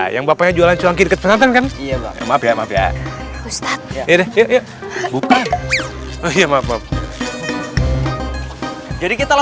sampai jumpa di video selanjutnya